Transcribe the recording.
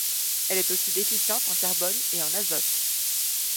Elle est aussi déficiente en carbone et en azote.